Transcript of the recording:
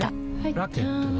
ラケットは？